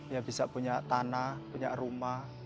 ya bisa punya tanah punya rumah